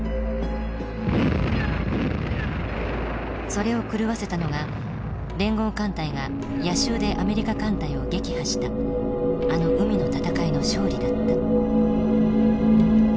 それを狂わせたのが連合艦隊が夜襲でアメリカ艦隊を撃破したあの海の戦いの勝利だった。